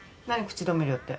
口止め料って。